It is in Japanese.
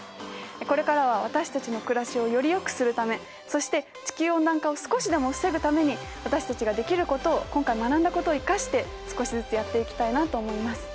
これからは私たちの暮らしをよりよくするためそして地球温暖化を少しでも防ぐために私たちができることを今回学んだことを生かして少しずつやっていきたいなと思います。